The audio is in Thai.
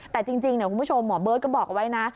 แต่จริงคุณผู้ชมหมอเบิร์ตก็บอกไว้นะ